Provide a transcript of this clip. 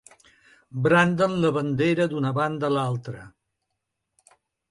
Branden la bandera d'una banda a l'altra.